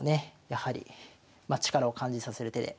やはり力を感じさせる手で。